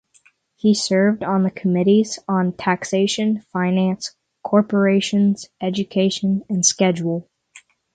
He served on the committees on taxation, finance, corporations, education and schedule.